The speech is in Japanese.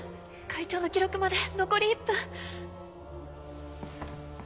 会長の記録まで残り１分。